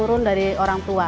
turun dari orang tua